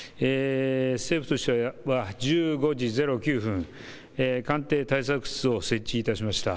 政府としては１５時０９分、官邸対策室を設置いたしました。